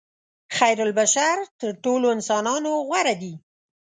خیرالبشر تر ټولو انسانانو غوره دي.